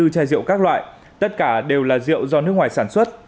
ba bốn trăm bảy mươi bốn chai rượu các loại tất cả đều là rượu do nước ngoài sản xuất